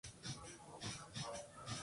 Stephan en Viena.